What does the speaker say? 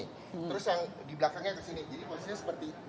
terus yang dibelakangnya kesini